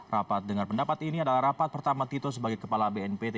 rapat dengan pendapat ini adalah rapat pertama tito sebagai kepala bnpt